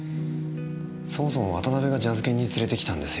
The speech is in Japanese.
そもそも渡辺がジャズ研に連れてきたんですよ。